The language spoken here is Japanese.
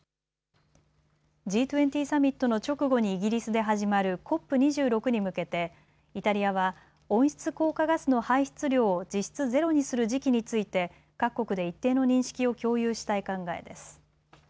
Ｇ２０サミットの直後にイギリスで始まるＣＯＰ２６に向けてイタリアは温室効果ガスの排出量を実質ゼロにする時期について各国で一定の認識を共有したい考えです。